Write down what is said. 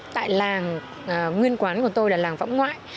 tại làng nguyên quán của tôi là làng võng ngoại